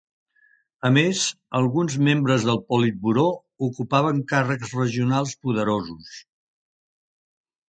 A més, alguns membres del Politburo ocupaven càrrecs regionals poderosos.